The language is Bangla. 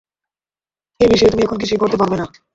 এ বিষয়ে তুমি এখন কিছুই করতে পারবে না।